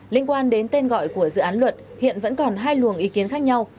liên quan đến tên gọi của dự án luật hiện vẫn còn hai luồng ý kiến khác nhau